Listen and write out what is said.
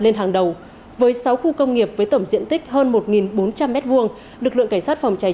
lên hàng đầu với sáu khu công nghiệp với tổng diện tích hơn một bốn trăm linh m hai lực lượng cảnh sát phòng cháy